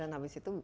dan habis itu